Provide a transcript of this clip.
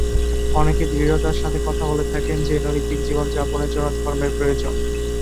অনেকে দৃঢ়তার সাথে বলে থাকেন যে নৈতিক জীবনযাপনের জন্য ধর্মের প্রয়োজন।